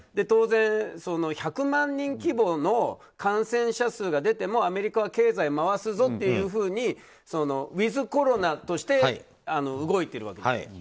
当然、１００万人規模の感染者数が出てもアメリカは経済を回すぞとウィズコロナとして動いているわけですよね。